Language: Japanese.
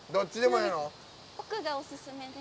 奥がおすすめです。